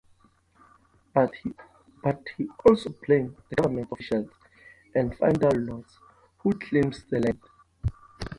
But he also blamed the government officials and feudal lords who claimed the land.